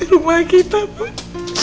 di rumah kita bud